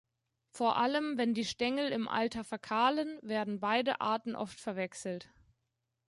Vor allem, wenn die Stängel im Alter verkahlen, werden beide Arten oft verwechselt.